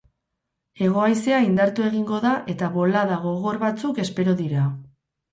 Hego-haizea indartu egingo da eta bolada gogor batzuk espero dira.